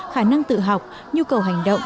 khả năng tự học nhu cầu hành động